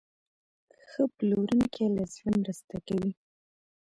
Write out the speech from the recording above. ښه پلورونکی له زړه مرسته کوي.